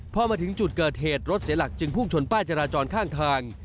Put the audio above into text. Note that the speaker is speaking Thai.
พอมาถึงจุดเกิดเหตุรถเสียหลักจึงพุ่งชนป้ายจราจรข้างทาง